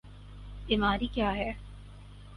بیماری کیا ہے؟